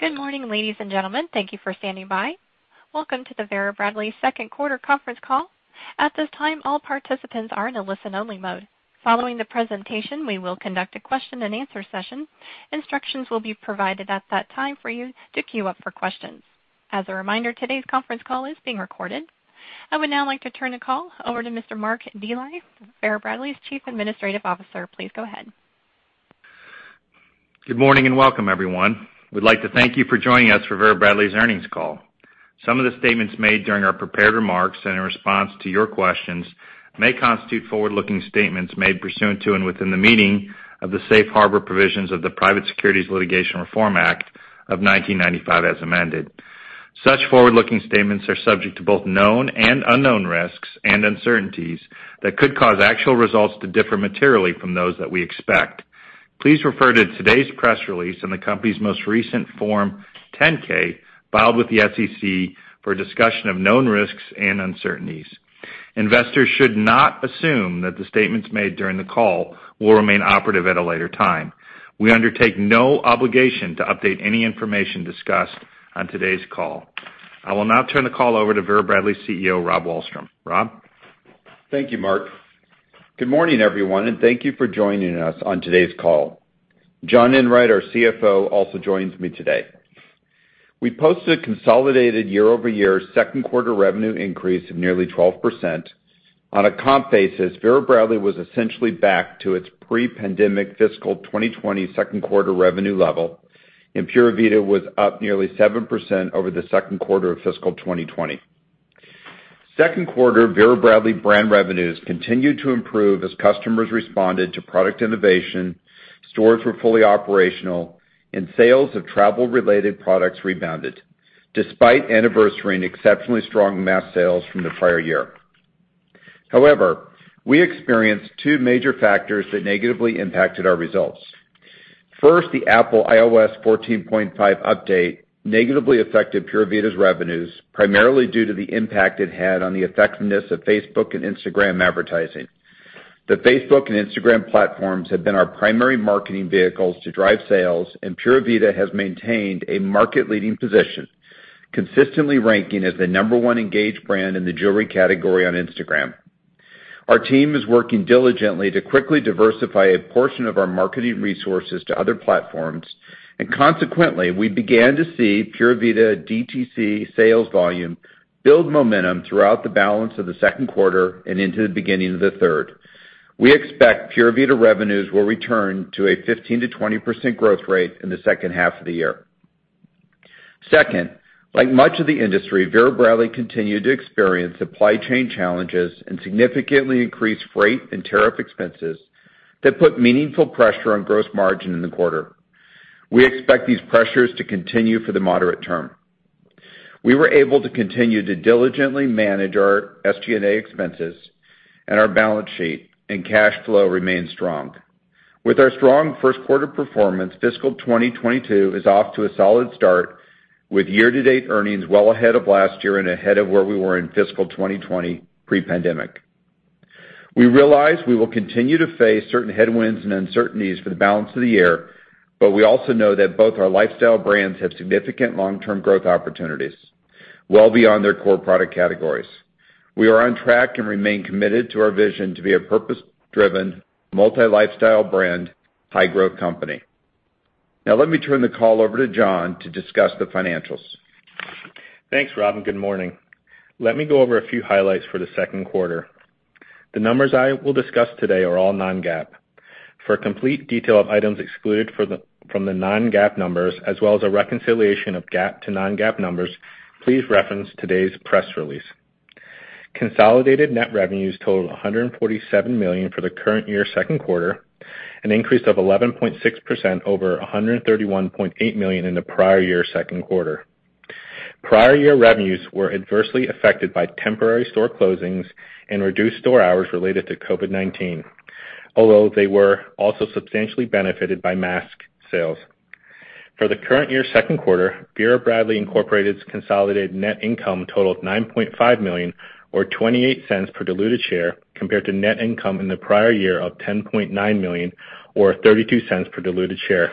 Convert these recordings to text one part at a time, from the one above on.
Good morning, ladies and gentlemen. Thank you for standing by. Welcome to the Vera Bradley 2nd quarter conference call. At this time all participants are in a listen-only mode. Following the presentation, we will conduct a question-and-answer session. Instructions will be provided at that time for you to queue up for questions. As a reminder, today's conference call is being recorded. I would now like to turn the call over to Mr. Mark Dely, Vera Bradley's Chief Administrative Officer. Please go ahead. Good morning, and welcome, everyone. We'd like to thank you for joining us for Vera Bradley's earnings call. Some of the statements made during our prepared remarks and in response to your questions may constitute forward-looking statements made pursuant to and within the meaning of the safe harbor provisions of the Private Securities Litigation Reform Act of 1995 as amended. Such forward-looking statements are subject to both known and unknown risks and uncertainties that could cause actual results to differ materially from those that we expect. Please refer to today's press release and the company's most recent Form 10-K filed with the SEC for a discussion of known risks and uncertainties. Investors should not assume that the statements made during the call will remain operative at a later time. We undertake no obligation to update any information discussed on today's call. I will now turn the call over to Vera Bradley CEO, Rob Wallstrom. Rob? Thank you, Mark. Good morning, everyone, and thank you for joining us on today's call. John Enwright, our CFO, also joins me today. We posted a consolidated year-over-year 2nd quarter revenue increase of nearly 12%. On a comp basis, Vera Bradley was essentially back to its pre-pandemic fiscal 2020 2nd quarter revenue level, and Pura Vida was up nearly 7% over the 2nd quarter of fiscal 2020. 2nd quarter Vera Bradley brand revenues continued to improve as customers responded to product innovation, stores were fully operational, and sales of travel-related products rebounded despite anniversary and exceptionally strong mask sales from the prior year. However, we experienced two major factors that negatively impacted our results. 1st, the Apple iOS 14.5 update negatively affected Pura Vida's revenues, primarily due to the impact it had on the effectiveness of Facebook and Instagram advertising. The Facebook and Instagram platforms have been our primary marketing vehicles to drive sales, and Pura Vida has maintained a market-leading position, consistently ranking as the number 1 engaged brand in the jewelry category on Instagram. Our team is working diligently to quickly diversify a portion of our marketing resources to other platforms, and consequently, we began to see Pura Vida DTC sales volume build momentum throughout the balance of the 2nd quarter and into the beginning of the 3rd. We expect Pura Vida revenues will return to a 15%-20% growth rate in the 2nd half of the year. Second, like much of the industry, Vera Bradley continued to experience supply chain challenges and significantly increased freight and tariff expenses that put meaningful pressure on gross margin in the quarter. We expect these pressures to continue for the moderate term. We were able to continue to diligently manage our SG&A expenses and our balance sheet, and cash flow remains strong. With our strong 1st quarter performance, fiscal 2022 is off to a solid start with year-to-date earnings well ahead of last year and ahead of where we were in fiscal 2020 pre-pandemic. We realize we will continue to face certain headwinds and uncertainties for the balance of the year, but we also know that both our lifestyle brands have significant long-term growth opportunities well beyond their core product categories. We are on track and remain committed to our vision to be a purpose-driven, multi-lifestyle brand, high-growth company. Now let me turn the call over to John to discuss the financials. Thanks, Rob, and good morning. Let me go over a few highlights for the 2nd quarter. The numbers I will discuss today are all non-GAAP. For a complete detail of items excluded from the non-GAAP numbers as well as a reconciliation of GAAP to non-GAAP numbers, please reference today's press release. Consolidated net revenues totaled $147 million for the current year 2nd quarter, an increase of 11.6% over $131.8 million in the prior year 2nd quarter. Prior year revenues were adversely affected by temporary store closings and reduced store hours related to COVID-19, although they were also substantially benefited by mask sales. For the current year 2nd quarter, Vera Bradley, Inc.'s consolidated net income totaled $9.5 million or $0.28 per diluted share compared to net income in the prior year of $10.9 million or $0.32 per diluted share.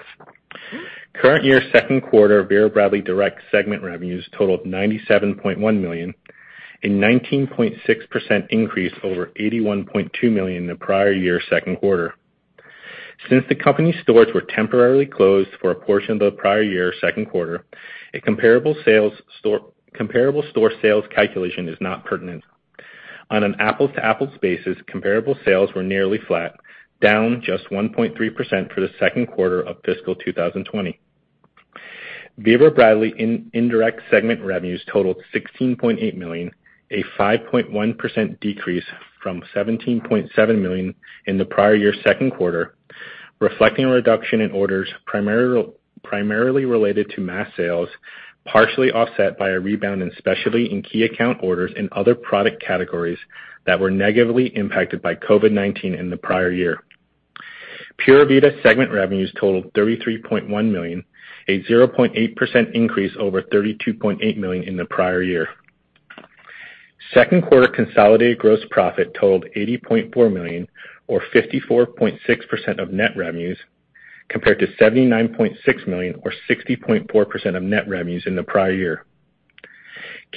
Current year 2nd quarter Vera Bradley direct segment revenues totaled $97.1 million, a 19.6% increase over $81.2 million the prior year 2nd quarter. Since the company's stores were temporarily closed for a portion of the prior year 2nd quarter, a comparable store sales calculation is not pertinent. On an apples-to-apples basis, comparable sales were nearly flat, down just 1.3% for the 2nd quarter of fiscal 2020. Vera Bradley indirect segment revenues totaled $16.8 million, a 5.1% decrease from $17.7 million in the prior year 2nd quarter, reflecting a reduction in orders primarily related to mask sales, partially offset by a rebound in specialty and key account orders and other product categories that were negatively impacted by COVID-19 in the prior year. Pura Vida segment revenues totaled $33.1 million, a 0.8% increase over $32.8 million in the prior year. 2nd quarter consolidated gross profit totaled $80.4 million or 54.6% of net revenues, compared to $79.6 million or 60.4% of net revenues in the prior year.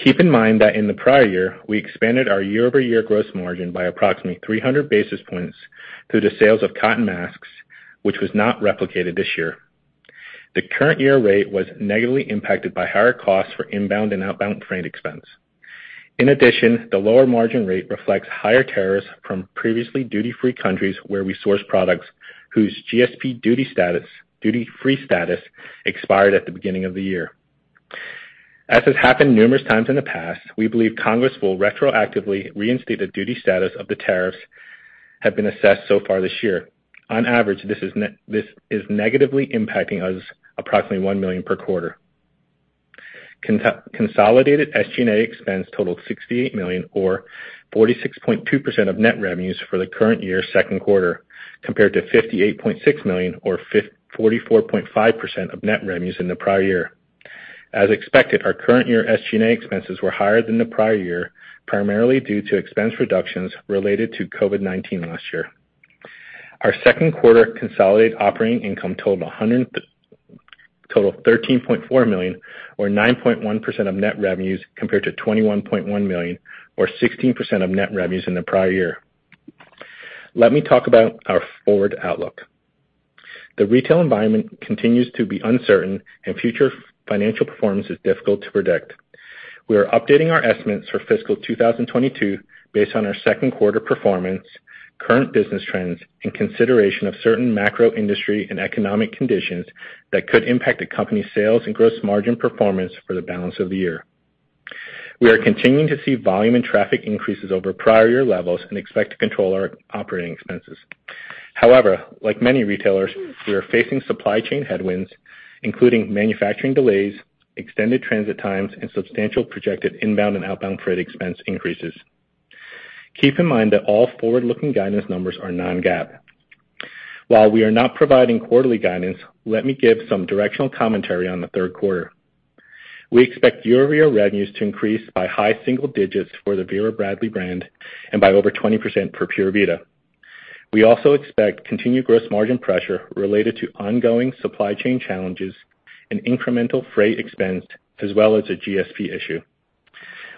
Keep in mind that in the prior year, we expanded our year-over-year gross margin by approximately 300 basis points through the sales of cotton masks, which was not replicated this year. The current year rate was negatively impacted by higher costs for inbound and outbound freight expense. In addition, the lower margin rate reflects higher tariffs from previously duty-free countries where we source products whose GSP duty-free status expired at the beginning of the year. As has happened numerous times in the past, we believe Congress will retroactively reinstate the duty status of the tariffs have been assessed so far this year. On average, this is negatively impacting us approximately $1 million per quarter. Consolidated SG&A expense totaled $68 million or 46.2% of net revenues for the current year 2nd quarter, compared to $58.6 million or 44.5% of net revenues in the prior year. As expected, our current year SG&A expenses were higher than the prior year, primarily due to expense reductions related to COVID-19 last year. Our 2nd quarter consolidated operating income totaled $13.4 million or 9.1% of net revenues, compared to $21.1 million or 16% of net revenues in the prior year. Let me talk about our forward outlook. The retail environment continues to be uncertain and future financial performance is difficult to predict. We are updating our estimates for fiscal 2022 based on our 2nd quarter performance, current business trends, and consideration of certain macro industry and economic conditions that could impact the company's sales and gross margin performance for the balance of the year. We are continuing to see volume and traffic increases over prior year levels and expect to control our operating expenses. However, like many retailers, we are facing supply chain headwinds, including manufacturing delays, extended transit times, and substantial projected inbound and outbound freight expense increases. Keep in mind that all forward-looking guidance numbers are non-GAAP. While we are not providing quarterly guidance, let me give some directional commentary on the 3rd quarter. We expect year-over-year revenues to increase by high single digits for the Vera Bradley brand and by over 20% for Pura Vida. We also expect continued gross margin pressure related to ongoing supply chain challenges and incremental freight expense, as well as a GSP issue.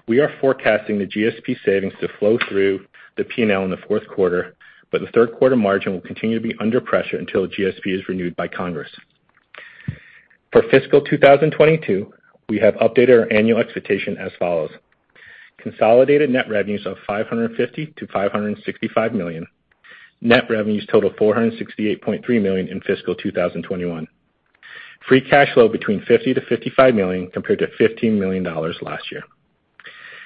We are forecasting the GSP savings to flow through the P&L in the fourth quarter, but the 3rd quarter margin will continue to be under pressure until GSP is renewed by Congress. For fiscal 2022, we have updated our annual expectation as follows. Consolidated net revenues of $550 million-$565 million. Net revenues total $468.3 million in fiscal 2021. Free cash flow between $50 million-$55 million, compared to $15 million last year.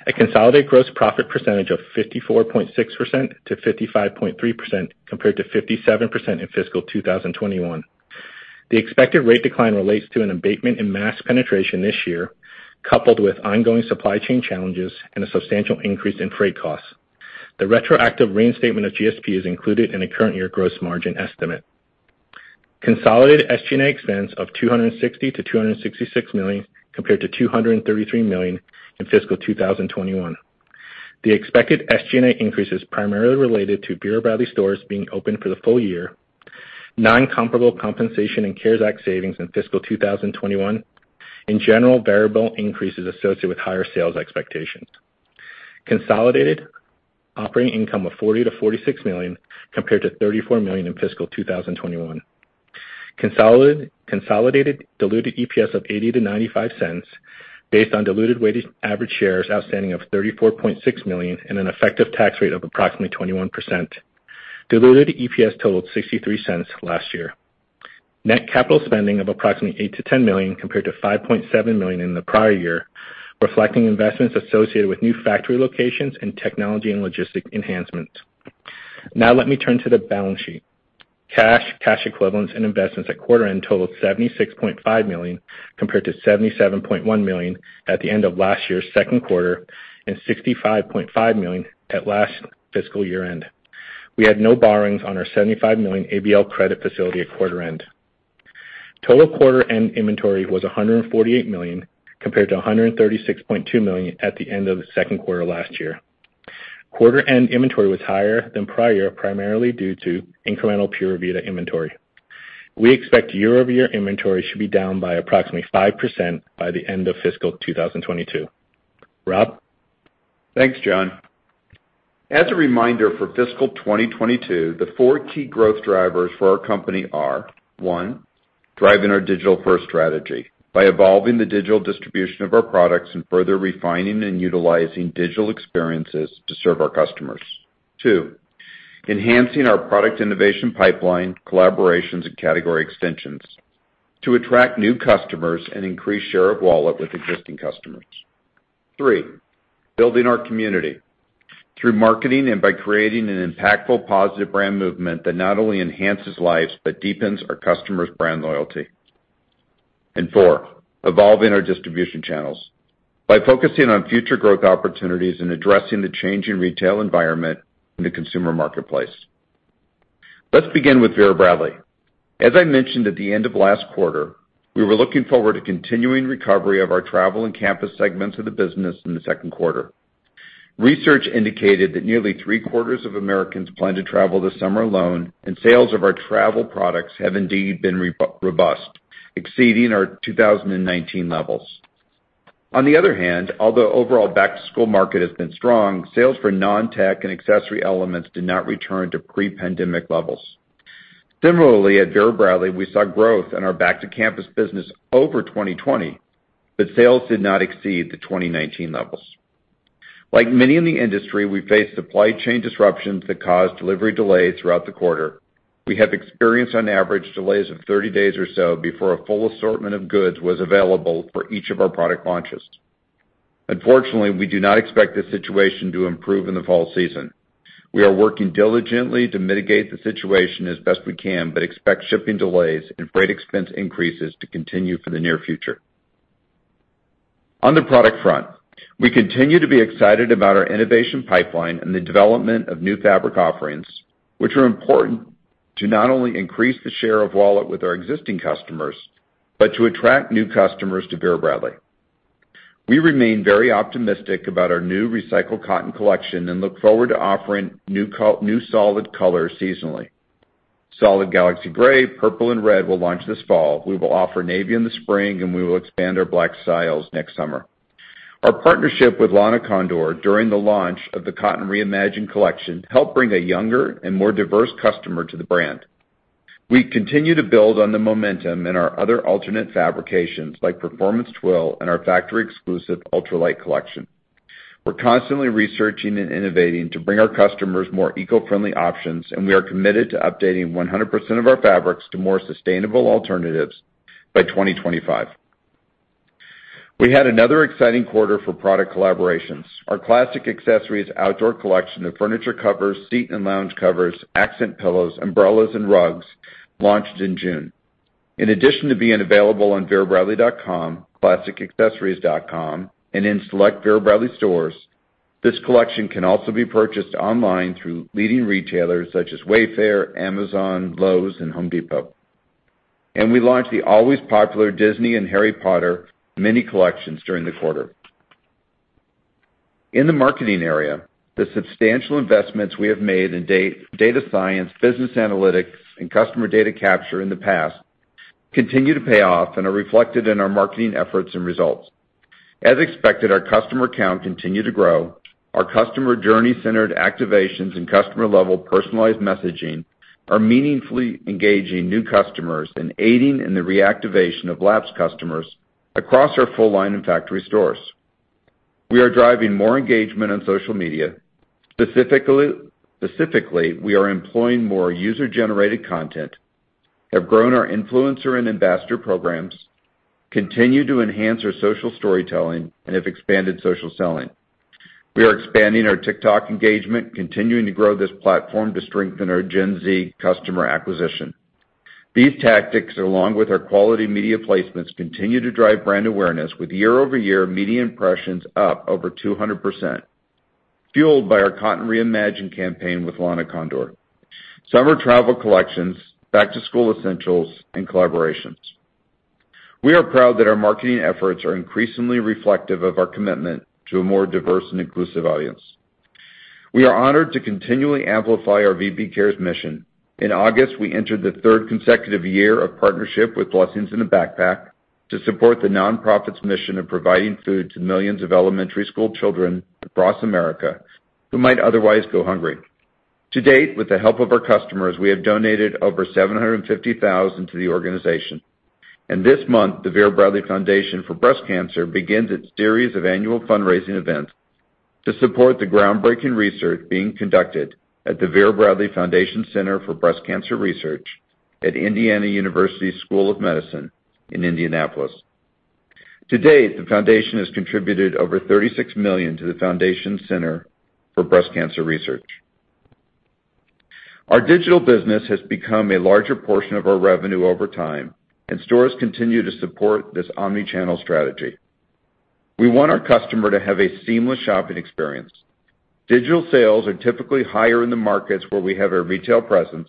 A consolidated gross profit percentage of 54.6%-55.3%, compared to 57% in fiscal 2021. The expected rate decline relates to an abatement in mass penetration this year, coupled with ongoing supply chain challenges and a substantial increase in freight costs. The retroactive reinstatement of GSP is included in the current year gross margin estimate. Consolidated SG&A expense of $260 million-$266 million, compared to $233 million in fiscal 2021. The expected SG&A increase is primarily related to Vera Bradley stores being open for the full year, non-comparable compensation and CARES Act savings in fiscal 2021, and general variable increases associated with higher sales expectations. Consolidated operating income of $40 million-$46 million, compared to $34 million in fiscal 2021. Consolidated diluted EPS of $0.80-$0.95, based on diluted weighted average shares outstanding of $34.6 million and an effective tax rate of approximately 21%. Diluted EPS totaled $0.63 last year. Net capital spending of approximately $8 million-$10 million, compared to $5.7 million in the prior year, reflecting investments associated with new factory locations and technology and logistic enhancements. Now let me turn to the balance sheet. Cash, cash equivalents, and investments at quarter end totaled $76.5 million, compared to $77.1 million at the end of last year's 2nd quarter and $65.5 million at last fiscal year-end. We had no borrowings on our $75 million ABL credit facility at quarter-end. Total quarter-end inventory was $148 million, compared to $136.2 million at the end of the 2nd quarter last year. Quarter-end inventory was higher than prior year, primarily due to incremental Pura Vida inventory. We expect year-over-year inventory should be down by approximately 5% by the end of fiscal 2022. Rob? Thanks, John. As a reminder for fiscal 2022, the four key growth drivers for our company are, one, driving our digital first strategy by evolving the digital distribution of our products and further refining and utilizing digital experiences to serve our customers. Two, enhancing our product innovation pipeline, collaborations, and category extensions to attract new customers and increase share of wallet with existing customers. Three, building our community through marketing and by creating an impactful positive brand movement that not only enhances lives but deepens our customers' brand loyalty. Four, evolving our distribution channels by focusing on future growth opportunities and addressing the changing retail environment in the consumer marketplace. Let's begin with Vera Bradley. As I mentioned at the end of last quarter, we were looking forward to continuing recovery of our travel and campus segments of the business in the 2nd quarter. Research indicated that nearly three-quarters of Americans plan to travel this summer alone, and sales of our travel products have indeed been robust, exceeding our 2019 levels. On the other hand, although overall back-to-school market has been strong, sales for non-tech and accessory elements did not return to pre-pandemic levels. Similarly, at Vera Bradley, we saw growth in our back-to-campus business over 2020, but sales did not exceed the 2019 levels. Like many in the industry, we faced supply chain disruptions that caused delivery delays throughout the quarter. We have experienced, on average, delays of 30 days or so before a full assortment of goods was available for each of our product launches. Unfortunately, we do not expect this situation to improve in the fall season. We are working diligently to mitigate the situation as best we can, but expect shipping delays and freight expense increases to continue for the near future. On the product front, we continue to be excited about our innovation pipeline and the development of new fabric offerings, which are important to not only increase the share of wallet with our existing customers, but to attract new customers to Vera Bradley. We remain very optimistic about our new recycled cotton collection and look forward to offering new solid colors seasonally. Solid Galaxy Gray, purple, and red will launch this fall. We will offer navy in the spring, and we will expand our black styles next summer. Our partnership with Lana Condor during the launch of the Cotton ReImagined collection helped bring a younger and more diverse customer to the brand. We continue to build on the momentum in our other alternate fabrications, like Performance Twill and our factory-exclusive Ultralight collection. We're constantly researching and innovating to bring our customers more eco-friendly options, we are committed to updating 100% of our fabrics to more sustainable alternatives by 2025. We had another exciting quarter for product collaborations. Our Classic Accessories outdoor collection of furniture covers, seat and lounge covers, accent pillows, umbrellas, and rugs launched in June. In addition to being available on verabradley.com, classicaccessories.com, and in select Vera Bradley stores, this collection can also be purchased online through leading retailers such as Wayfair, Amazon, Lowe's, and The Home Depot. We launched the always popular Disney and Harry Potter mini collections during the quarter. In the marketing area, the substantial investments we have made in data science, business analytics, and customer data capture in the past continue to pay off and are reflected in our marketing efforts and results. As expected, our customer count continued to grow. Our customer journey-centered activations and customer-level personalized messaging are meaningfully engaging new customers and aiding in the reactivation of lapsed customers across our full line of factory stores. We are driving more engagement on social media. Specifically, we are employing more user-generated content, have grown our influencer and ambassador programs, continue to enhance our social storytelling, and have expanded social selling. We are expanding our TikTok engagement, continuing to grow this platform to strengthen our Gen Z customer acquisition. These tactics, along with our quality media placements, continue to drive brand awareness with year-over-year media impressions up over 200%, fueled by our Cotton ReImagined campaign with Lana Condor, summer travel collections, back-to-school essentials, and collaborations. We are proud that our marketing efforts are increasingly reflective of our commitment to a more diverse and inclusive audience. We are honored to continually amplify our VB Cares mission. In August, we entered the 3rd consecutive year of partnership with Blessings in a Backpack to support the nonprofit's mission of providing food to millions of elementary school children across America who might otherwise go hungry. To date, with the help of our customers, we have donated over $750,000 to the organization. This month, the Vera Bradley Foundation for Breast Cancer begins its series of annual fundraising events to support the groundbreaking research being conducted at the Vera Bradley Foundation Center for Breast Cancer Research at Indiana University School of Medicine in Indianapolis. To date, the foundation has contributed over $36 million to the Foundation Center for Breast Cancer Research. Our digital business has become a larger portion of our revenue over time, and stores continue to support this omni-channel strategy. We want our customer to have a seamless shopping experience. Digital sales are typically higher in the markets where we have a retail presence,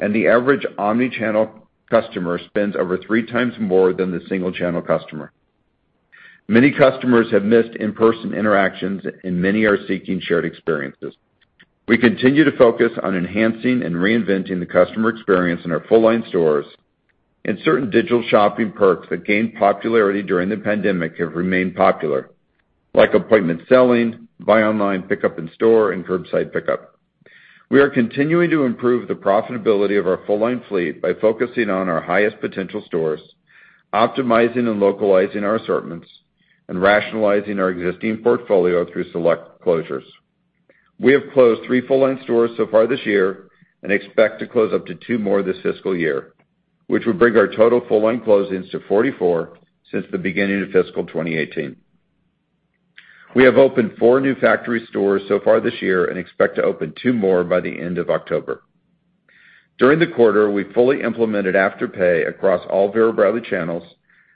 and the average omni-channel customer spends over three times more than the single-channel customer. Many customers have missed in-person interactions, and many are seeking shared experiences. We continue to focus on enhancing and reinventing the customer experience in our full-line stores, and certain digital shopping perks that gained popularity during the pandemic have remained popular, like appointment selling, buy online pickup in store, and curbside pickup. We are continuing to improve the profitability of our full-line fleet by focusing on our highest potential stores, optimizing and localizing our assortments, and rationalizing our existing portfolio through select closures. We have closed three full-line stores so far this year and expect to close up to two more this fiscal year, which would bring our total full-line closings to 44 since the beginning of fiscal 2018. We have opened four new factory stores so far this year and expect to open two more by the end of October. During the quarter, we fully implemented Afterpay across all Vera Bradley channels,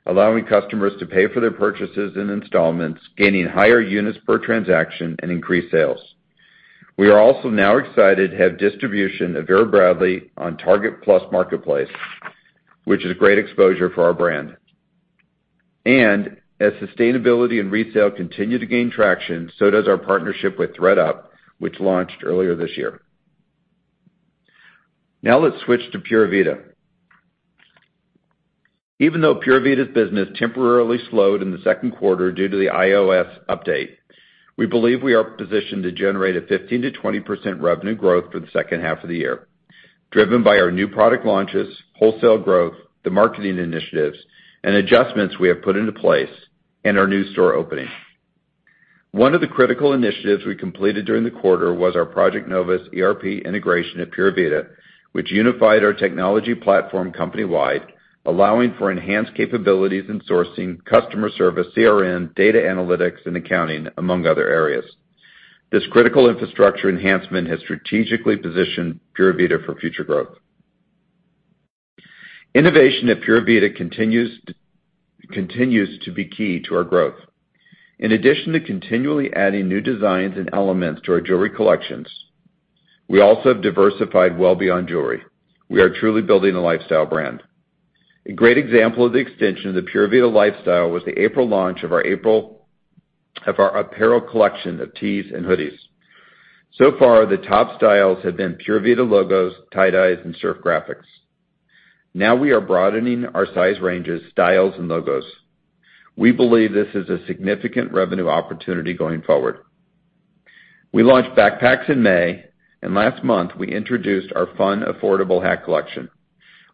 allowing customers to pay for their purchases in installments, gaining higher units per transaction, and increased sales. We are also now excited to have distribution of Vera Bradley on Target plus Marketplace, which is great exposure for our brand. As sustainability and resale continue to gain traction, so does our partnership with thredUP, which launched earlier this year. Now let's switch to Pura Vida. Even though Pura Vida's business temporarily slowed in the 2nd quarter due to the iOS update, we believe we are positioned to generate a 15%-20% revenue growth for the 2nd half of the year, driven by our new product launches, wholesale growth, the marketing initiatives and adjustments we have put into place, and our new store opening. One of the critical initiatives we completed during the quarter was our Project Novus ERP integration at Pura Vida, which unified our technology platform company-wide, allowing for enhanced capabilities in sourcing customer service, CRM, data analytics, and accounting, among other areas. This critical infrastructure enhancement has strategically positioned Pura Vida for future growth. Innovation at Pura Vida continues to be key to our growth. In addition to continually adding new designs and elements to our jewelry collections, we also have diversified well beyond jewelry. We are truly building a lifestyle brand. A great example of the extension of the Pura Vida lifestyle was the April launch of our apparel collection of tees and hoodies. So far, the top styles have been Pura Vida logos, tie-dyes, and surf graphics. Now we are broadening our size ranges, styles, and logos. We believe this is a significant revenue opportunity going forward. We launched backpacks in May, and last month, we introduced our fun, affordable hat collection.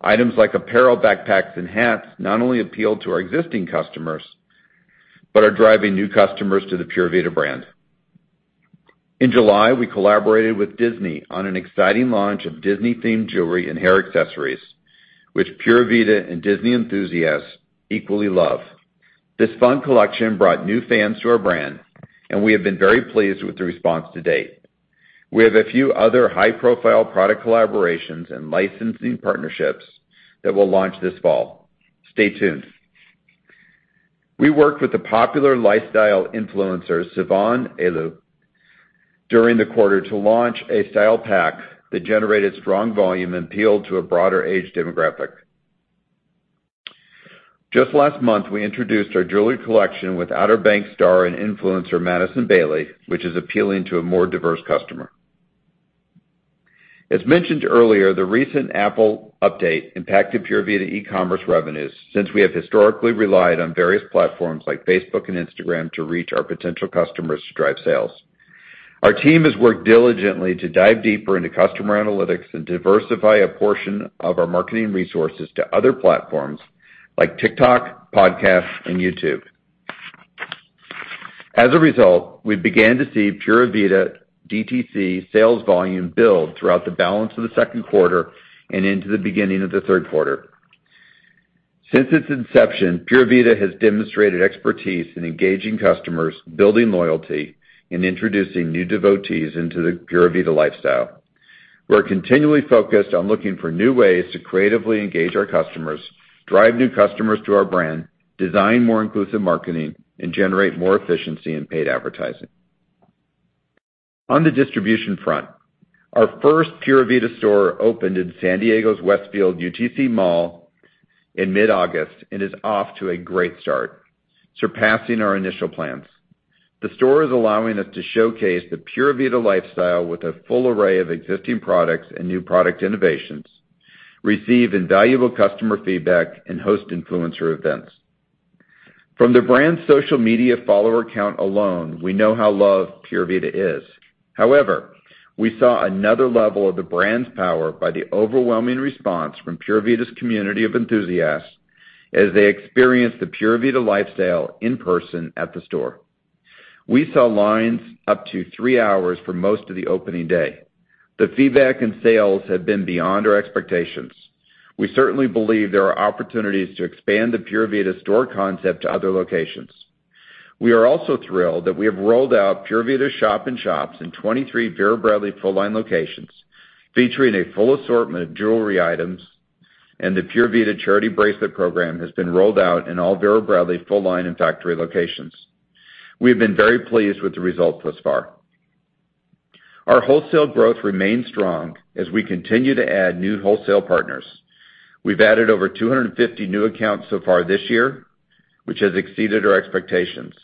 Items like apparel, backpacks, and hats not only appeal to our existing customers, but are driving new customers to the Pura Vida brand. In July, we collaborated with Disney on an exciting launch of Disney-themed jewelry and hair accessories, which Pura Vida and Disney enthusiasts equally love. This fun collection brought new fans to our brand, and we have been very pleased with the response to date. We have a few other high-profile product collaborations and licensing partnerships that we'll launch this fall. Stay tuned. We worked with the popular lifestyle influencer, Sivan Ayla, during the quarter to launch a style pack that generated strong volume and appealed to a broader age demographic. Just last month, we introduced our jewelry collection with Outer Banks star and influencer, Madison Bailey, which is appealing to a more diverse customer. As mentioned earlier, the recent Apple update impacted Pura Vida e-commerce revenues, since we have historically relied on various platforms like Facebook and Instagram to reach our potential customers to drive sales. Our team has worked diligently to dive deeper into customer analytics and diversify a portion of our marketing resources to other platforms like TikTok, podcasts, and YouTube. As a result, we began to see Pura Vida DTC sales volume build throughout the balance of the 2nd quarter and into the beginning of the 3rd quarter. Since its inception, Pura Vida has demonstrated expertise in engaging customers, building loyalty, and introducing new devotees into the Pura Vida lifestyle. We're continually focused on looking for new ways to creatively engage our customers, drive new customers to our brand, design more inclusive marketing, and generate more efficiency in paid advertising. On the distribution front, our 1st Pura Vida store opened in San Diego's Westfield UTC Mall in mid-August and is off to a great start, surpassing our initial plans. The store is allowing us to showcase the Pura Vida lifestyle with a full array of existing products and new product innovations, receive invaluable customer feedback, and host influencer events. From the brand's social media follower count alone, we know how loved Pura Vida is. We saw another level of the brand's power by the overwhelming response from Pura Vida's community of enthusiasts as they experienced the Pura Vida lifestyle in person at the store. We saw lines up to three hours for most of the opening day. The feedback and sales have been beyond our expectations. We certainly believe there are opportunities to expand the Pura Vida store concept to other locations. We are also thrilled that we have rolled out Pura Vida shop in shops in 23 Vera Bradley full-line locations, featuring a full assortment of jewelry items, and the Pura Vida charity bracelet program has been rolled out in all Vera Bradley full-line and factory locations. We have been very pleased with the results thus far. Our wholesale growth remains strong as we continue to add new wholesale partners. We've added over 250 new accounts so far this year, which has exceeded our expectations,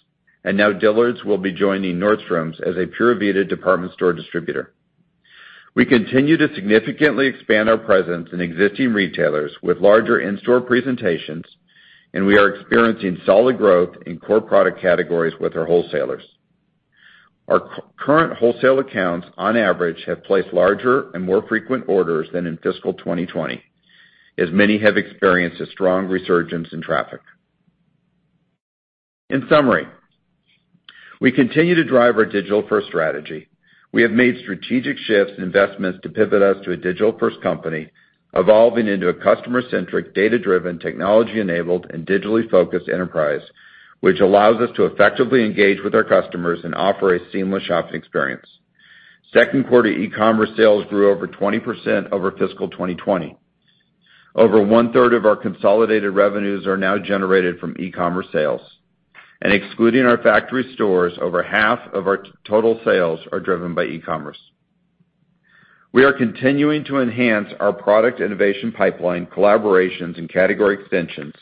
and now Dillard's will be joining Nordstrom's as a Pura Vida department store distributor. We continue to significantly expand our presence in existing retailers with larger in-store presentations, and we are experiencing solid growth in core product categories with our wholesalers. Our current wholesale accounts, on average, have placed larger and more frequent orders than in fiscal 2020, as many have experienced a strong resurgence in traffic. In summary, we continue to drive our digital first strategy. We have made strategic shifts and investments to pivot us to a digital first company, evolving into a customer-centric, data-driven, technology-enabled, and digitally-focused enterprise, which allows us to effectively engage with our customers and offer a seamless shopping experience. 2nd quarter e-commerce sales grew over 20% over fiscal 2020. Over 1/3 Of our consolidated revenues are now generated from e-commerce sales. Excluding our factory stores, over half of our total sales are driven by e-commerce. We are continuing to enhance our product innovation pipeline collaborations and category extensions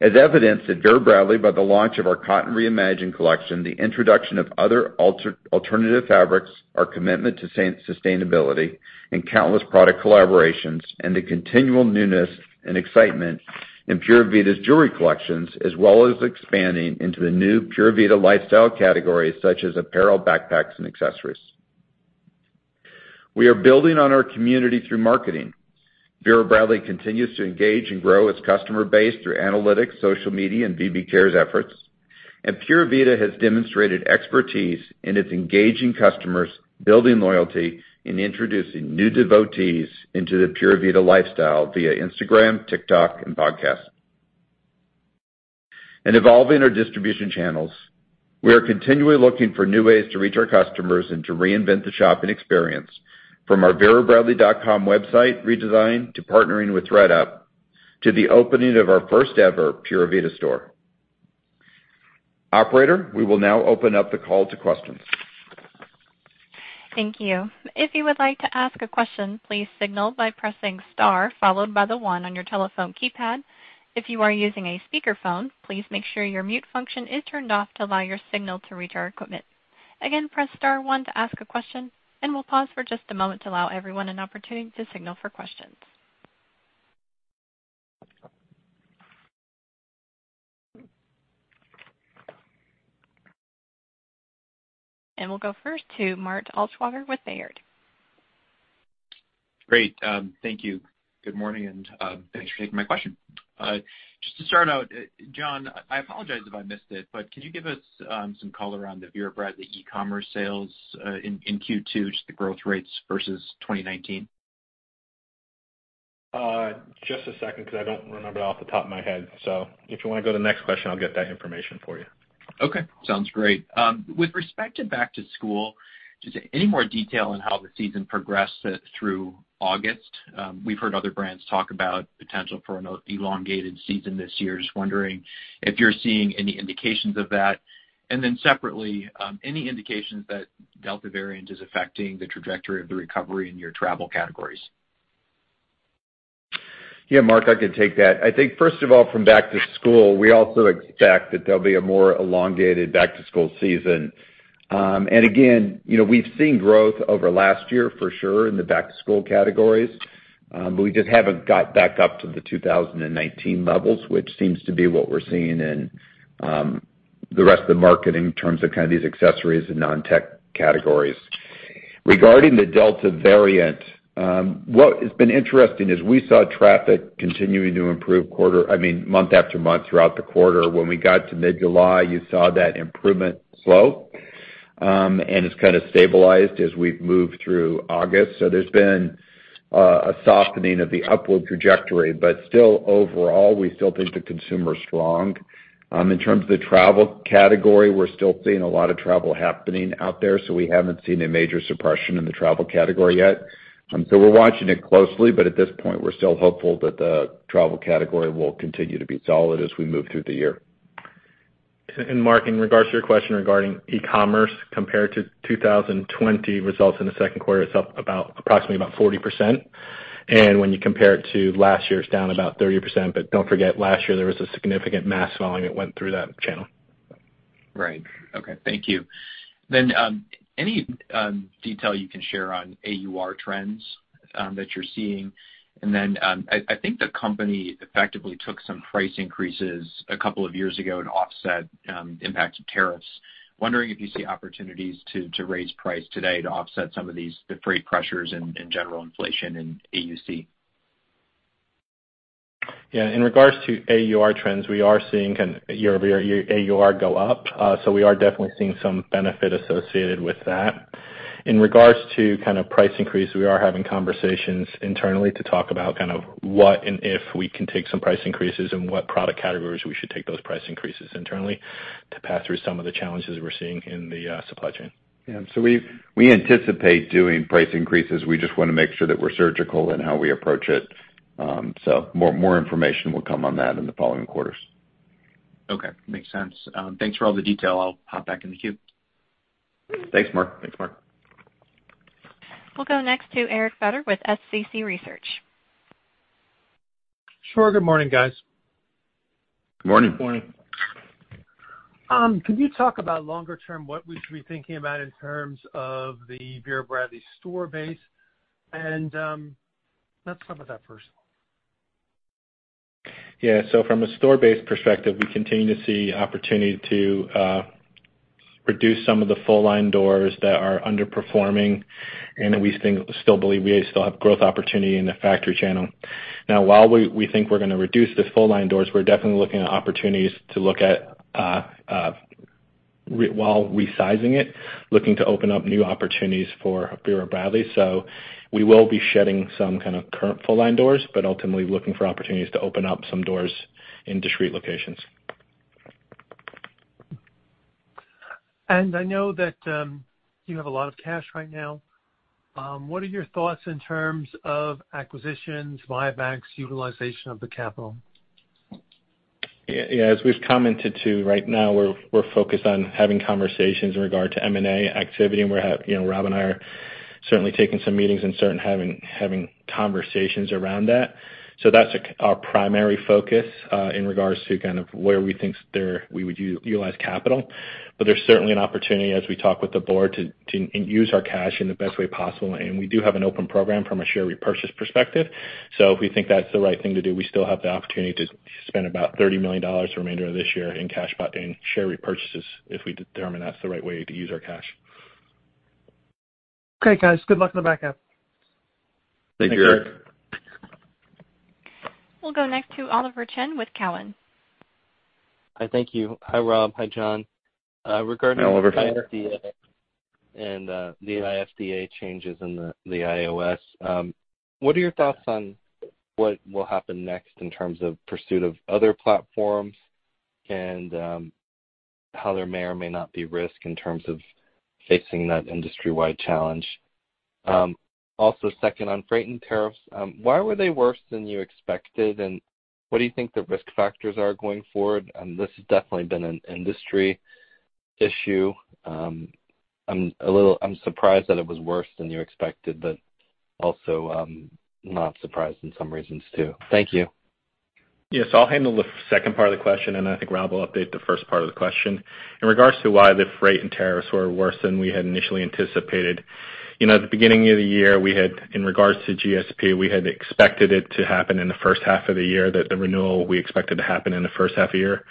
as evidenced at Vera Bradley by the launch of our Cotton ReImagined collection, the introduction of other alternative fabrics, our commitment to sustainability and countless product collaborations, and the continual newness and excitement in Pura Vida's jewelry collections, as well as expanding into the new Pura Vida lifestyle categories such as apparel, backpacks, and accessories. We are building on our community through marketing. Vera Bradley continues to engage and grow its customer base through analytics, social media, and VB Cares efforts. Pura Vida has demonstrated expertise in its engaging customers, building loyalty in introducing new devotees into the Pura Vida lifestyle via Instagram, TikTok, and podcasts. In evolving our distribution channels, we are continually looking for new ways to reach our customers and to reinvent the shopping experience from our verabradley.com website redesign to partnering with thredUP, to the opening of our 1st ever Pura Vida store. Operator, we will now open up the call to questions. Thank you. If you would like to ask a question, please signal by pressing star followed by the one on your telephone keypad. If you are using a speakerphone, please make sure your mute function is turned off to allow your signal to reach our equipment. Again, press star one to ask a question, we'll pause for just a moment to allow everyone an opportunity to signal for questions. We'll go first to Mark Altschwager with Baird. Great. Thank you. Good morning, and thanks for taking my question. Just to start out, John, I apologize if I missed it, but can you give us some color on the Vera Bradley e-commerce sales in Q2, just the growth rates versus 2019? Just a second, because I don't remember off the top of my head. If you wanna go to the next question, I'll get that information for you. Okay. Sounds great. With respect to back to school, just any more detail on how the season progressed through August? We've heard other brands talk about potential for an elongated season this year. Just wondering if you're seeing any indications of that. Separately, any indications that Delta variant is affecting the trajectory of the recovery in your travel categories? Yeah, Mark, I can take that. I think 1st of all, from back to school, we also expect that there'll be a more elongated back to school season. Again, we've seen growth over last year for sure in the back to school categories. We just haven't got back up to the 2019 levels, which seems to be what we're seeing in the rest of the market in terms of these accessories and non-tech categories. Regarding the Delta variant, what has been interesting is we saw traffic continuing to improve month after month throughout the quarter. When we got to mid-July, you saw that improvement slow, and it's kind of stabilized as we've moved through August. There's been a softening of the upward trajectory, but still overall, we still think the consumer's strong. In terms of the travel category, we're still seeing a lot of travel happening out there, we haven't seen a major suppression in the travel category yet. We're watching it closely, but at this point, we're still hopeful that the travel category will continue to be solid as we move through the year. Mark, in regards to your question regarding e-commerce, compared to 2020 results in the 2nd quarter, it's up approximately about 40%. When you compare it to last year, it's down about 30%, but don't forget, last year there was a significant mask selling that went through that channel. Right. Okay. Thank you. Any detail you can share on AUR trends that you're seeing? I think the company effectively took some price increases a couple of years ago to offset impact of tariffs. Wondering if you see opportunities to raise price today to offset some of these freight pressures and general inflation in AUC? Yeah, in regards to AUR trends, we are seeing kind of year-over-year AUR go up. We are definitely seeing some benefit associated with that. In regards to price increase, we are having conversations internally to talk about what and if we can take some price increases and what product categories we should take those price increases internally to pass through some of the challenges we're seeing in the supply chain. We anticipate doing price increases. We just want to make sure that we're surgical in how we approach it. More information will come on that in the following quarters. Okay. Makes sense. Thanks for all the detail. I'll hop back in the queue. Thanks, Mark. Thanks, Mark. We'll go next to Eric Beder with SCC Research. Sure. Good morning, guys. Morning. Morning. Can you talk about longer term, what we should be thinking about in terms of the Vera Bradley store base? Let's talk about that first. Yeah. From a store base perspective, we continue to see opportunity to reduce some of the full line doors that are underperforming, and that we still believe we have growth opportunity in the factory channel. Now, while we think we're gonna reduce the full line doors, we're definitely looking at opportunities to look at while resizing it, looking to open up new opportunities for Vera Bradley. We will be shedding some kind of current full line doors, but ultimately looking for opportunities to open up some doors in discrete locations. I know that you have a lot of cash right now. What are your thoughts in terms of acquisitions, buybacks, utilization of the capital? As we've commented too, right now we're focused on having conversations in regard to M&A activity, and Rob and I are certainly taking some meetings and certain having conversations around that. That's our primary focus in regards to where we think we would utilize capital. There's certainly an opportunity as we talk with the board, to use our cash in the best way possible, and we do have an open program from a share repurchase perspective. If we think that's the right thing to do, we still have the opportunity to spend about $30 million for the remainder of this year in share repurchases if we determine that's the right way to use our cash. Okay, guys. Good luck on the back half. Thank you, Eric. We'll go next to Oliver Chen with Cowen. Hi. Thank you. Hi, Rob. Hi, John. Hi, Oliver. Regarding the IDFA and the IDFA changes in the iOS, what are your thoughts on what will happen next in terms of pursuit of other platforms and how there may or may not be risk in terms of facing that industry-wide challenge? Second on freight and tariffs, why were they worse than you expected, and what do you think the risk factors are going forward? This has definitely been an industry issue. I'm surprised that it was worse than you expected, but also not surprised in some reasons, too. Thank you. Yes. I'll handle the 2nd part of the question, and I think Rob will update the 1st part of the question, in regards to why the freight and tariffs were worse than we had initially anticipated. At the beginning of the year, in regards to GSP, we had expected it to happen in the 1st half of the year, that the renewal we expected to happen in the 1st half of the year.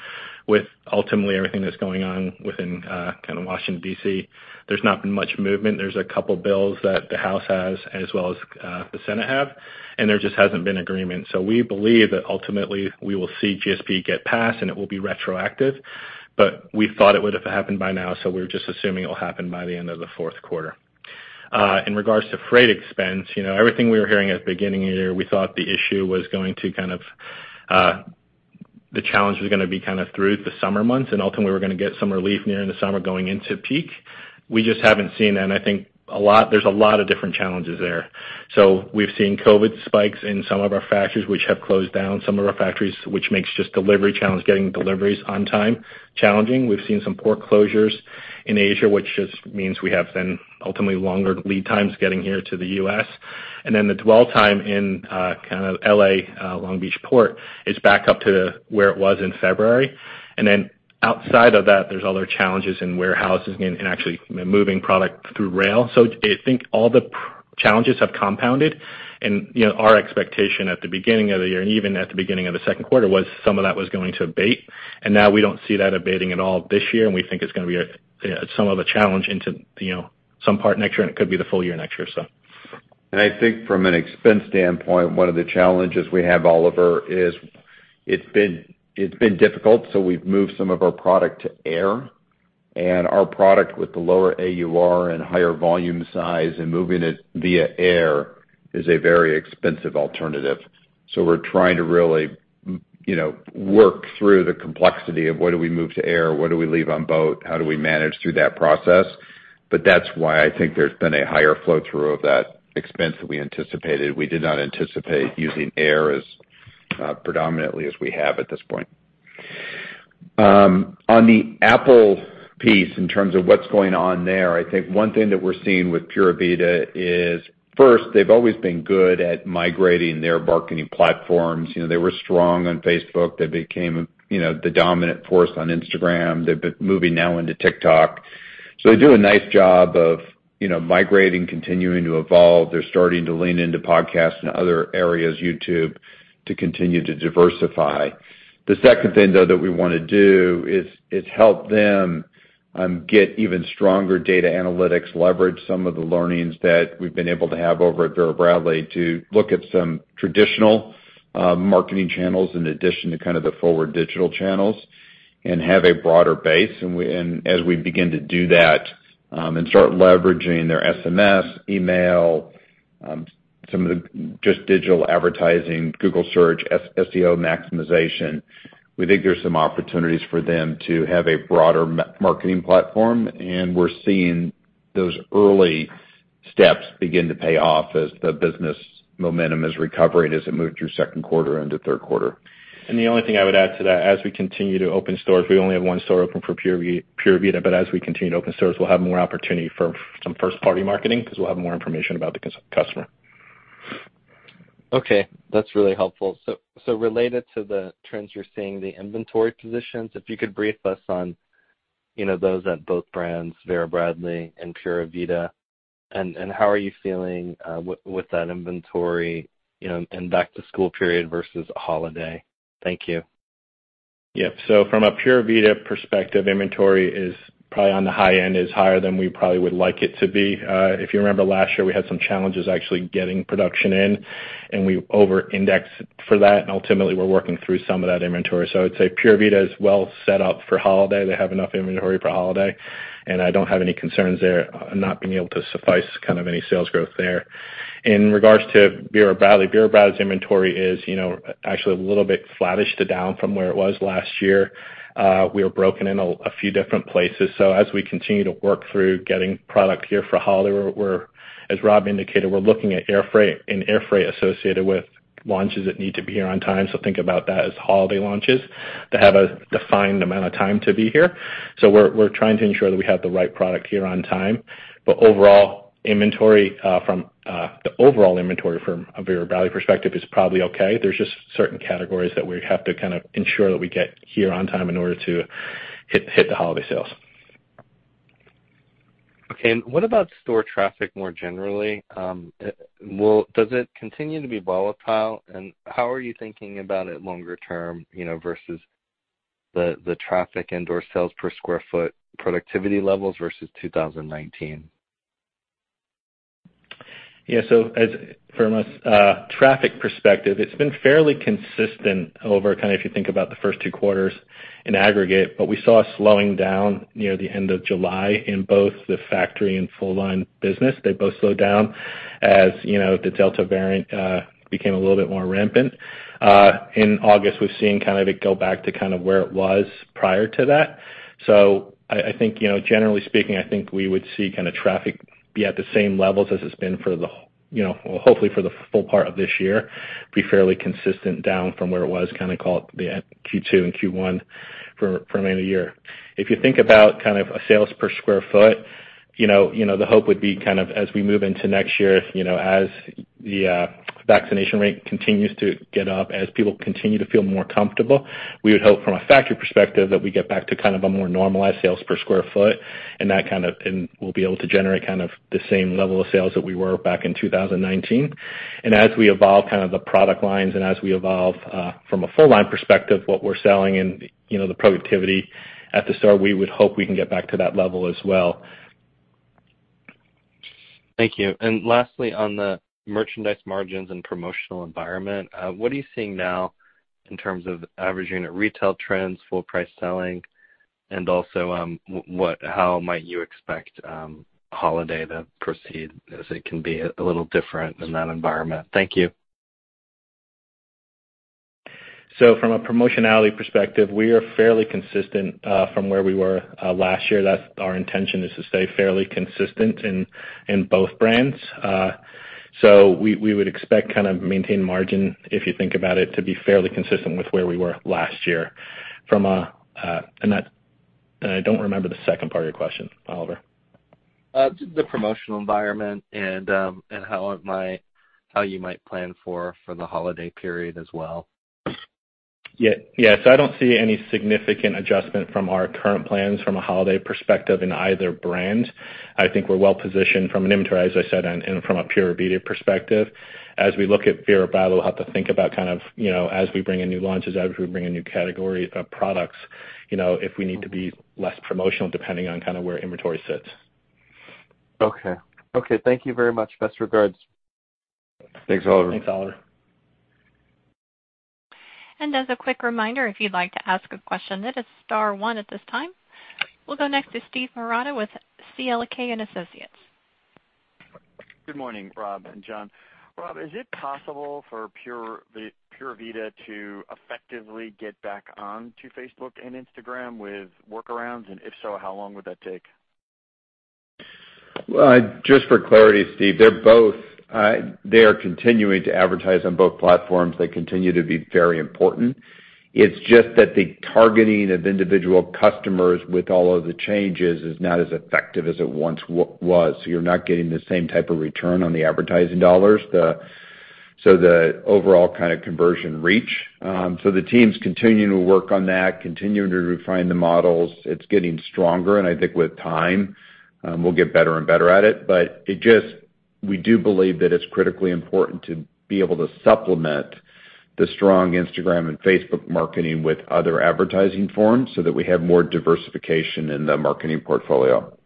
With ultimately everything that's going on within Washington, D.C., there's not been much movement. There's a couple bills that the House has as well as the Senate have, and there just hasn't been agreement. We believe that ultimately we will see GSP get passed and it will be retroactive, but we thought it would have happened by now, so we're just assuming it will happen by the end of the fourth quarter. In regards to freight expense, everything we were hearing at the beginning of the year, we thought the challenge was going to be through the summer months, ultimately we were going to get some relief near in the summer going into peak. We just haven't seen that. I think there's a lot of different challenges there. We've seen COVID spikes in some of our factories, which have closed down some of our factories, which makes just delivery challenge, getting deliveries on time challenging. We've seen some port closures in Asia, which just means we have then ultimately longer lead times getting here to the U.S. The dwell time in L.A., Long Beach Port is back up to where it was in February, outside of that, there's other challenges in warehouses and actually moving product through rail. I think all the challenges have compounded. Our expectation at the beginning of the year, and even at the beginning of the 2nd quarter, was some of that was going to abate. Now we don't see that abating at all this year. We think it's going to be some of a challenge into some part next year, and it could be the full year next year. I think from an expense standpoint, one of the challenges we have, Oliver, is it's been difficult, we've moved some of our product to air, and our product with the lower AUR and higher volume size and moving it via air is a very expensive alternative. We're trying to really work through the complexity of what do we move to air, what do we leave on boat, how do we manage through that process? That's why I think there's been a higher flow-through of that expense than we anticipated. We did not anticipate using air as predominantly as we have at this point. On the Apple piece, in terms of what's going on there, I think one thing that we're seeing with Pura Vida is first, they've always been good at migrating their marketing platforms. They were strong on Facebook. They became the dominant force on Instagram. They've been moving now into TikTok. They do a nice job of migrating, continuing to evolve. They're starting to lean into podcasts and other areas, YouTube, to continue to diversify. The second thing, though, that we want to do is help them get even stronger data analytics leverage, some of the learnings that we've been able to have over at Vera Bradley to look at some traditional marketing channels in addition to the forward digital channels and have a broader base. As we begin to do that and start leveraging their SMS, email, some of the just digital advertising, Google Search, SEO maximization, we think there's some opportunities for them to have a broader marketing platform, and we're seeing those early steps begin to pay off as the business momentum is recovering as it moved through 2nd quarter into 3rd quarter. The only thing I would add to that, as we continue to open stores, we only have one store open for Pura Vida, but as we continue to open stores, we'll have more opportunity for some 1st-party marketing because we'll have more information about the customer. Okay. That's really helpful. Related to the trends you're seeing, the inventory positions, if you could brief us on those at both brands, Vera Bradley and Pura Vida, and how are you feeling with that inventory in back to school period versus holiday? Thank you. Yep. From a Pura Vida perspective, inventory is probably on the high end, is higher than we probably would like it to be. If you remember last year, we had some challenges actually getting production in, and we over-indexed for that, and ultimately, we're working through some of that inventory. I would say Pura Vida is well set up for holiday. They have enough inventory for holiday, and I don't have any concerns there not being able to suffice any sales growth there. In regards to Vera Bradley, Vera Bradley's inventory is actually a little bit flattish to down from where it was last year. We were broken in a few different places. As we continue to work through getting product here for holiday, as Rob indicated, we're looking at air freight and air freight associated with launches that need to be here on time. Think about that as holiday launches that have a defined amount of time to be here. We're trying to ensure that we have the right product here on time. The overall inventory from a Vera Bradley perspective is probably okay. There's just certain categories that we have to kind of ensure that we get here on time in order to hit the holiday sales. Okay. What about store traffic more generally? Does it continue to be volatile? How are you thinking about it longer term, versus the traffic and door sales per square foot productivity levels versus 2019? Yeah. From a traffic perspective, it's been fairly consistent over, kind of if you think about the 1st two quarters in aggregate. We saw a slowing down near the end of July in both the factory and full-line business. They both slowed down as the Delta variant became a little bit more rampant. In August, we've seen it go back to where it was prior to that. I think generally speaking, I think we would see traffic be at the same levels as it's been for the Well, hopefully for the full part of this year, be fairly consistent down from where it was, kind of call it the Q2 and Q1 for remaining of the year. If you think about kind of a sales per square foot, the hope would be kind of as we move into next year, as the vaccination rate continues to get up, as people continue to feel more comfortable, we would hope from a factory perspective that we get back to kind of a more normalized sales per square foot and we'll be able to generate kind of the same level of sales that we were back in 2019. As we evolve kind of the product lines and as we evolve, from a full line perspective, what we're selling and the productivity at the store, we would hope we can get back to that level as well. Thank you. Lastly, on the merchandise margins and promotional environment, what are you seeing now in terms of average unit retail trends, full price selling, and also, how might you expect holiday to proceed as it can be a little different in that environment? Thank you. From a promotionality perspective, we are fairly consistent from where we were last year. That's our intention, is to stay fairly consistent in both brands. We would expect kind of maintained margin, if you think about it, to be fairly consistent with where we were last year. I don't remember the 2nd part of your question, Oliver. Just the promotional environment and how you might plan for the holiday period as well. Yeah. I don't see any significant adjustment from our current plans from a holiday perspective in either brand. I think we're well-positioned from an inventory, as I said, and from a Pura Vida perspective. As we look at Vera Bradley, we'll have to think about kind of as we bring in new launches, as we bring in new category of products, if we need to be less promotional, depending on kind of where inventory sits. Okay. Thank you very much. Best regards. Thanks, Oliver. Thanks, Oliver. As a quick reminder, if you'd like to ask a question, it is star one at this time. We'll go next to Steve Marotta with CLK & Associates. Good morning, Rob and John. Rob, is it possible for Pura Vida to effectively get back onto Facebook and Instagram with workarounds? If so, how long would that take? Just for clarity, Steve, they're continuing to advertise on both platforms. They continue to be very important. It's just that the targeting of individual customers with all of the changes is not as effective as it once was, so you're not getting the same type of return on the advertising dollars. The overall kind of conversion reach. The team's continuing to work on that, continuing to refine the models. It's getting stronger, and I think with time, we'll get better and better at it. We do believe that it's critically important to be able to supplement the strong Instagram and Facebook marketing with other advertising forms so that we have more diversification in the marketing portfolio.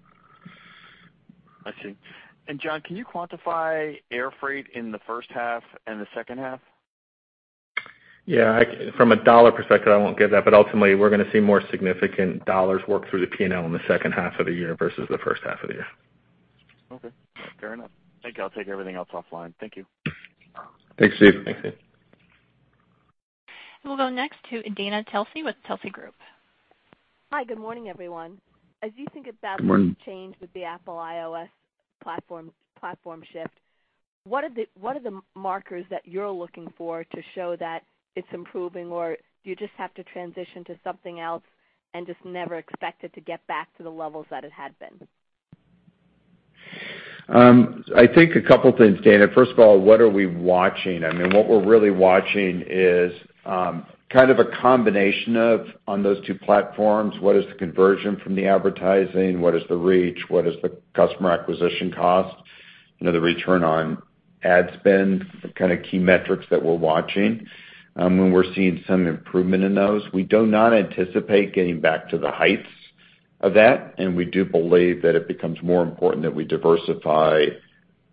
I see. John, can you quantify air freight in the 1st half and the 2nd half? Yeah. From a dollar perspective, I won't give that, but ultimately, we're going to see more significant dollars work through the P&L in the 2nd half of the year versus the 1st half of the year. Okay. Fair enough. Thank you. I'll take everything else offline. Thank you. Thanks, Steve. We'll go next to Dana Telsey with Telsey Group. Hi. Good morning, everyone. Good morning. As you think about change with the Apple iOS platform shift, what are the markers that you're looking for to show that it's improving, or do you just have to transition to something else and just never expect it to get back to the levels that it had been? I think couple of things, Dana. First of all, what are we watching? I mean, what we're really watching is kind of a combination of, on those two platforms, what is the conversion from the advertising, what is the reach, what is the customer acquisition cost, the return on ad spend, the kind of key metrics that we're watching. We're seeing some improvement in those. We do not anticipate getting back to the heights of that, and we do believe that it becomes more important that we diversify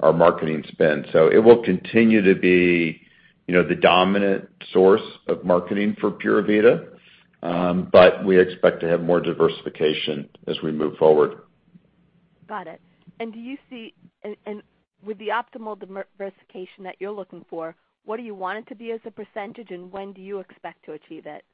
our marketing spend. It will continue to be the dominant source of marketing for Pura Vida, but we expect to have more diversification as we move forward. Got it. With the optimal diversification that you're looking for, what do you want it to be as a percentage, and when do you expect to achieve it?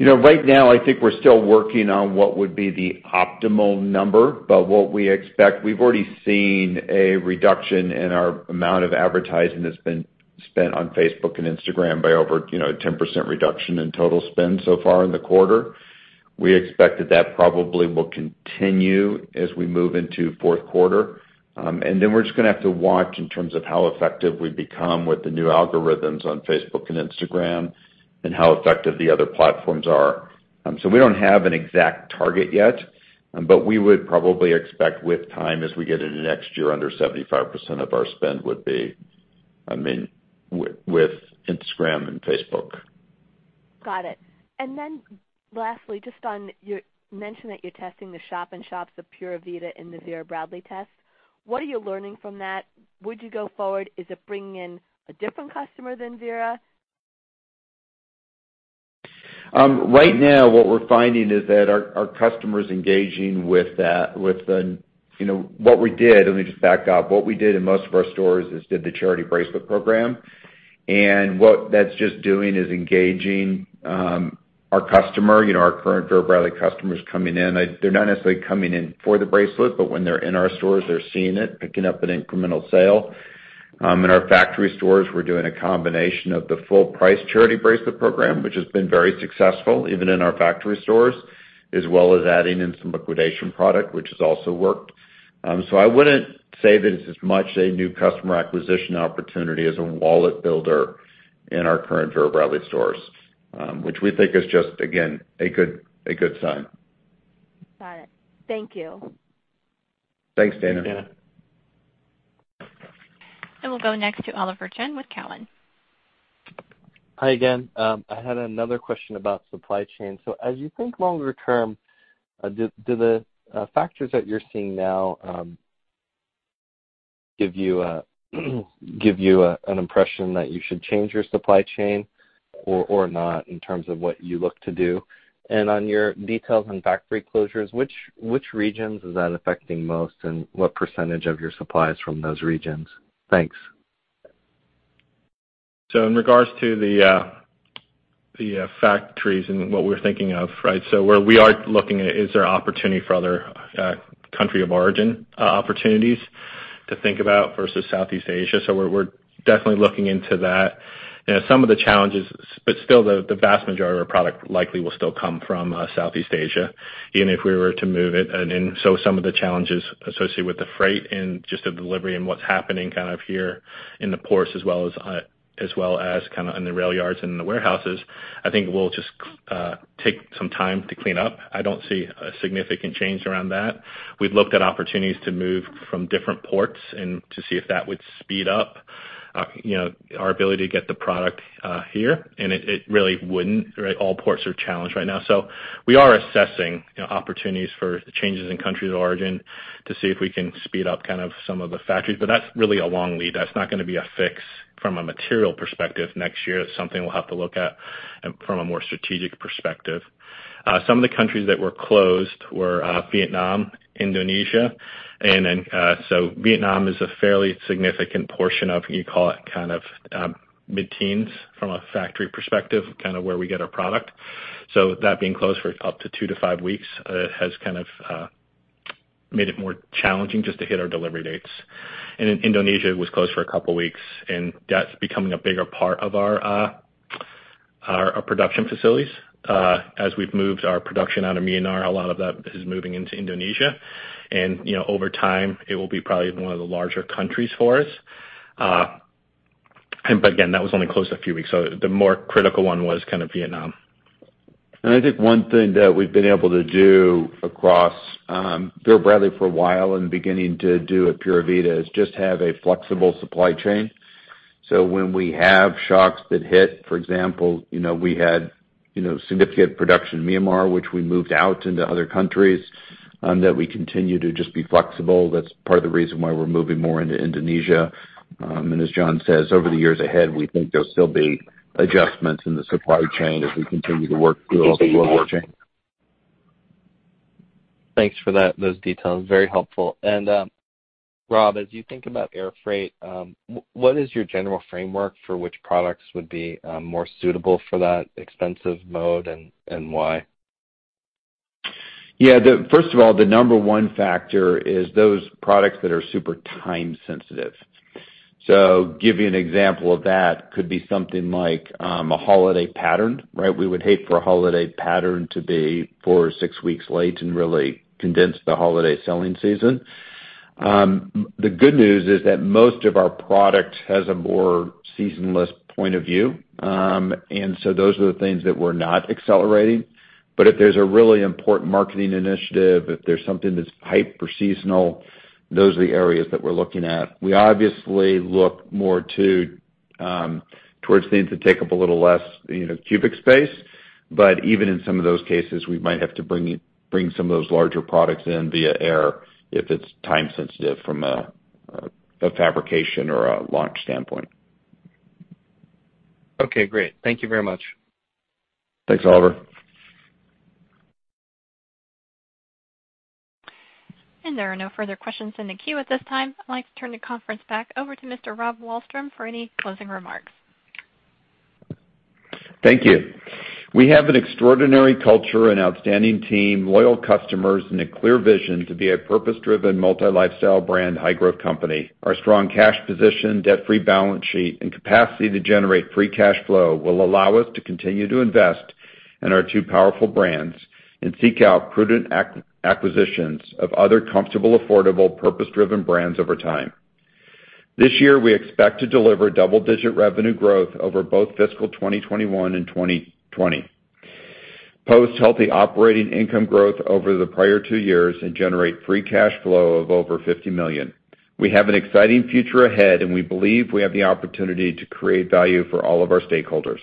Right now, I think we're still working on what would be the optimal number, but what we expect, we've already seen a reduction in our amount of advertising that's been spent on Facebook and Instagram by over 10% reduction in total spend so far in the quarter. We expect that probably will continue as we move into fourth quarter. We're just going to have to watch in terms of how effective we become with the new algorithms on Facebook and Instagram, and how effective the other platforms are. We don't have an exact target yet, but we would probably expect with time as we get into next year, under 75% of our spend would be with Instagram and Facebook. Got it. Lastly, just on your mention that you're testing the shop in shops of Pura Vida in the Vera Bradley test. What are you learning from that? Would you go forward? Is it bringing in a different customer than Vera? Right now, what we're finding is that our customers engaging with. What we did, let me just back up. What we did in most of our stores is did the charity bracelet program. What that's just doing is engaging our customer, our current Vera Bradley customers coming in. They're not necessarily coming in for the bracelet, but when they're in our stores, they're seeing it, picking up an incremental sale. In our factory stores, we're doing a combination of the full price charity bracelet program, which has been very successful, even in our factory stores, as well as adding in some liquidation product, which has also worked. I wouldn't say that it's as much a new customer acquisition opportunity as a wallet builder in our current Vera Bradley stores, which we think is again, a good sign. Got it. Thank you. Thanks, Dana. We'll go next to Oliver Chen with Cowen. Hi again. I had another question about supply chain. As you think longer term, do the factors that you're seeing now give you an impression that you should change your supply chain or not, in terms of what you look to do? On your details on factory closures, which regions is that affecting most, and what percentage of your supply is from those regions? Thanks. In regards to the factories and what we're thinking of, right? Where we are looking at, is there opportunity for other country of origin opportunities to think about versus Southeast Asia. We're definitely looking into that. Some of the challenges, but still the vast majority of our product likely will still come from Southeast Asia, even if we were to move it. Some of the challenges associated with the freight and just the delivery and what's happening here in the ports as well as in the rail yards and in the warehouses, I think will just take some time to clean up. I don't see a significant change around that. We've looked at opportunities to move from different ports and to see if that would speed up our ability to get the product here, and it really wouldn't. All ports are challenged right now. We are assessing opportunities for changes in countries of origin to see if we can speed up some of the factories. That's really a long lead. That's not going to be a fix from a material perspective next year. That's something we'll have to look at from a more strategic perspective. Some of the countries that were closed were Vietnam, Indonesia. Vietnam is a fairly significant portion of, you call it mid-teens from a factory perspective, where we get our product. That being closed for up to two-five weeks has made it more challenging just to hit our delivery dates. Then Indonesia was closed for a couple of weeks, and that's becoming a bigger part of our production facilities. As we've moved our production out of Myanmar, a lot of that is moving into Indonesia. Over time, it will be probably one of the larger countries for us. Again, that was only closed a few weeks. The more critical one was Vietnam. I think one thing that we've been able to do across Vera Bradley for a while and beginning to do at Pura Vida is just have a flexible supply chain. When we have shocks that hit, for example, we had significant production in Myanmar, which we moved out into other countries, that we continue to just be flexible. That's part of the reason why we're moving more into Indonesia. As John says, over the years ahead, we think there'll still be adjustments in the supply chain as we continue to work through the global chain. Thanks for those details. Very helpful. Rob, as you think about air freight, what is your general framework for which products would be more suitable for that expensive mode and why? Yeah. First of all, the number one factor is those products that are super time sensitive. Give you an example of that, could be something like a holiday pattern, right? We would hate for a holiday pattern to be four or six weeks late and really condense the holiday selling season. The good news is that most of our product has a more seasonless point of view. Those are the things that we're not accelerating. If there's a really important marketing initiative, if there's something that's hyper seasonal, those are the areas that we're looking at. We obviously look more towards things that take up a little less cubic space. Even in some of those cases, we might have to bring some of those larger products in via air if it's time sensitive from a fabrication or a launch standpoint. Okay, great. Thank you very much. Thanks, Oliver. There are no further questions in the queue at this time. I'd like to turn the conference back over to Mr. Rob Wallstrom for any closing remarks. Thank you. We have an extraordinary culture, an outstanding team, loyal customers, and a clear vision to be a purpose-driven, multi-lifestyle brand, high growth company. Our strong cash position, debt-free balance sheet, and capacity to generate free cash flow will allow us to continue to invest in our two powerful brands and seek out prudent acquisitions of other comfortable, affordable, purpose-driven brands over time. This year, we expect to deliver double-digit revenue growth over both fiscal 2021 and 2020. Post healthy operating income growth over the prior two years and generate free cash flow of over $50 million. We have an exciting future ahead, and we believe we have the opportunity to create value for all of our stakeholders.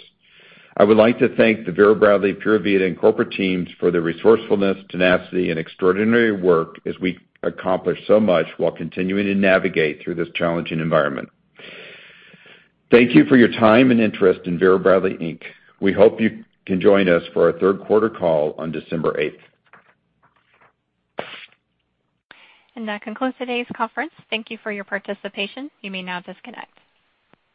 I would like to thank the Vera Bradley, Pura Vida, and corporate teams for their resourcefulness, tenacity, and extraordinary work as we accomplish so much while continuing to navigate through this challenging environment. Thank you for your time and interest in Vera Bradley Inc. We hope you can join us for our 3rd quarter call on December 8th. That concludes today's conference. Thank you for your participation. You may now disconnect.